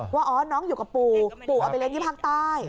ว่าน้องอยู่กับปู่ปู่เอาไปเล่นอย่างนี้ภาคใต้